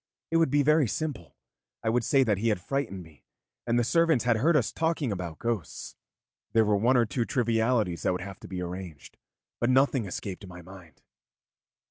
It would be very simple. I would say that he had frightened me and the servants had heard us talking about ghosts. There were one or two trivialities that would have to be arranged, but nothing escaped my mind.